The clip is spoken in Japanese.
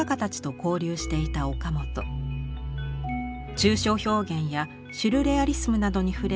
抽象表現やシュルレアリスムなどに触れ